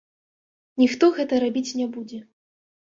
Ніхто гэта рабіць не будзе.